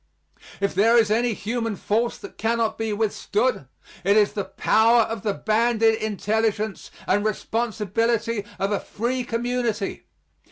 If there is any human force that cannot be withstood, it is the power of the banded intelligence and responsibility of a free community.